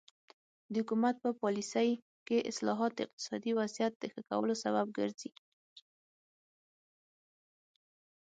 د حکومت په پالیسۍ کې اصلاحات د اقتصادي وضعیت د ښه کولو سبب ګرځي.